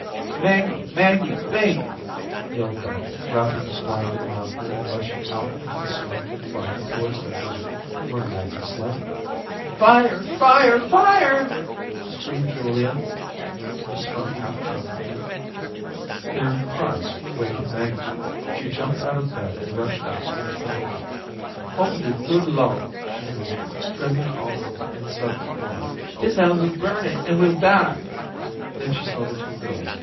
"Maggie, Maggie, wake," yelled Beth, wrapping the blanket around her and rushing out into the smoke and fire towards the room where Maggie slept. "Fire, fire, fire," screamed Julia, the smoke half choking her. Their cries wakened Maggie. She jumped out of bed, and rushed out into the hall. "Oh, de good Lo'd," she moaned, trembling all over in sudden horror; "dis house is burnin', an' we'll die." Then she saw the two girls.